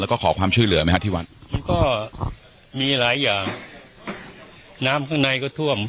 แล้วก็ขอความช่วยเหลือไหมฮะที่วัดมันก็มีหลายอย่างน้ำข้างในก็ท่วม